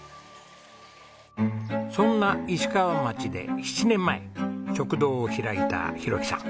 そんな石川町で７年前食堂を開いた浩樹さん。